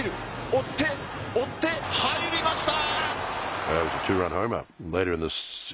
追って、追って、入りました！